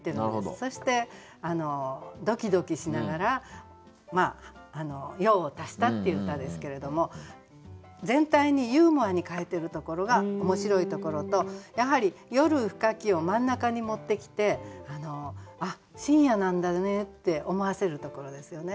そしてドキドキしながら用を足したっていう歌ですけれども全体にユーモアに書いてるところが面白いところとやはり「夜深き」を真ん中に持ってきて「あっ深夜なんだね」って思わせるところですよね。